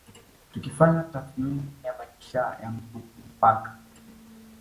Tukifanya tathmini ya maisha ya mtu mpaka